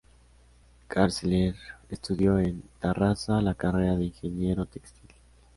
Carceller estudió en Tarrasa la carrera de ingeniero textil.